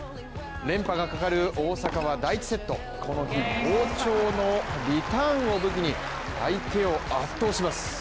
連覇がかかる大坂は第１セット、この日好調のリターンを武器に相手を圧倒します